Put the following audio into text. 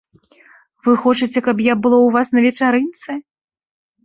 Вы хочаце, каб я была ў вас на вечарынцы?